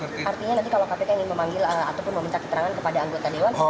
artinya nanti kalau kpk ingin memanggil ataupun meminta keterangan kepada anggota dewan